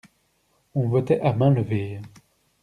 On votait à mains levées.